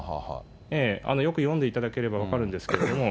よく読んでいただければ分かるんですけれども。